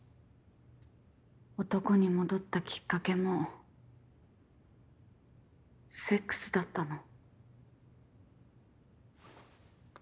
男に戻ったきっかけもセックスだったの？